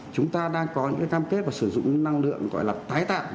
chúng ta đang có những cam kết và sử dụng năng lượng gọi là tái tạo